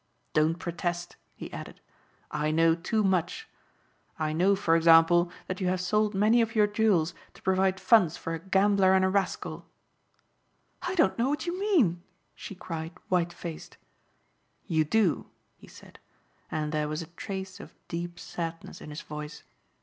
Don't protest," he added. "I know too much. I know for example that you have sold many of your jewels to provide funds for a gambler and a rascal." "I don't know what you mean," she cried white faced. "You do," he said, and there was a trace of deep sadness in his voice.